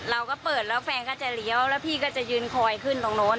เราก็เปิดแล้วแฟนก็จะเลี้ยวแล้วพี่ก็จะยืนคอยขึ้นตรงโน้น